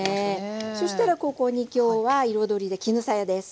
そしたらここに今日は彩りで絹さやです。